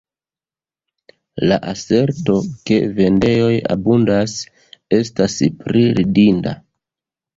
La aserto, ke vendejoj abundas, estas priridinda.